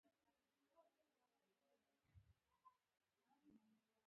• سپین غاښونه د ښکلي خندا نښه ده.